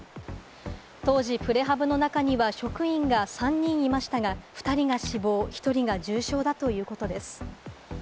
当時、プレハブの中には職員が３人いましたが、２人が死亡、１人が重傷だということです。